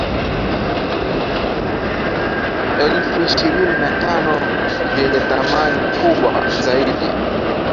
elfu ishirini na tano vyenye thamani kubwa zaidi